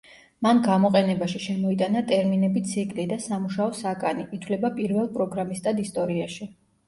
მან გამოყენებაში შემოიტანა ტერმინები „ციკლი“ და „სამუშაო საკანი“, ითვლება პირველ პროგრამისტად ისტორიაში.